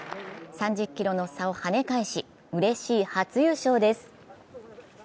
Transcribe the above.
３０ｋｇの差をはね返しうれしい初優勝です。